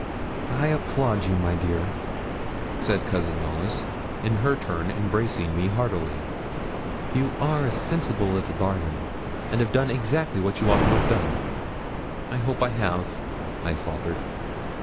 'I applaud you, my dear,' said Cousin Knollys, in her turn embracing me heartily. 'You are a sensible little darling, and have done exactly what you ought to have done.' 'I hope I have,' I faltered.